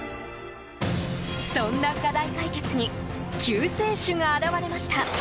そんな課題解決に救世主が現れました。